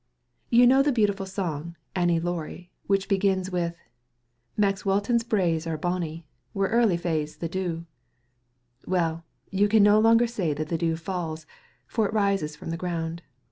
You know the beautiful song, "Annie Laurie," which begins with "Maxwelton's braes are bonnie, Where early fa's the dew" well, you can no longer say that the dew "falls," for it rises from the ground.